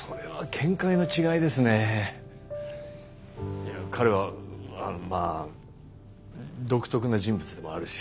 いや彼はまあ独特な人物でもあるし。